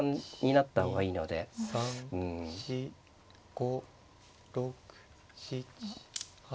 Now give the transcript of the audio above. ５６７８。